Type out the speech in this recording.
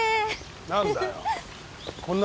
何だよ？